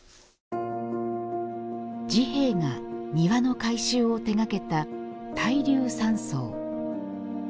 治兵衛が庭の改修を手がけた對龍山荘。